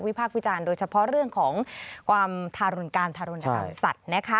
พากษ์วิจารณ์โดยเฉพาะเรื่องของความทารุณการทารุณกรรมสัตว์นะคะ